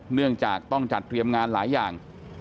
เนื่องจากต้องจัดเตรียมงานหลายอย่าง